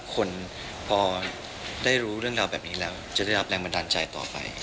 คนพอได้รู้เรื่องราวแบบนี้แล้วจะได้รับแรงบันดาลใจต่อไป